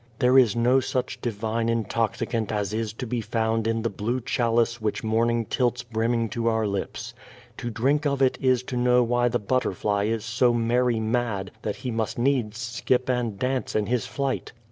There is no such divine intoxicant as is to be found in the blue chalice which morning tilts brimming to our lips. To drink of it is to know why the butterfly is so merry mad that he must needs skip and dance in his flight.